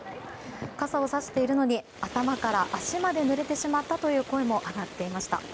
傘をさしているのに頭から足までぬれてしまったという声も上がっていました。